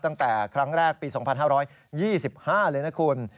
ตั้งแต่ครั้งแรกปี๒๕๒๕เลยนะคุณ